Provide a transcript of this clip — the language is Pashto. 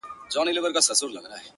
د جنګونو د شیطان قصر به وران سي-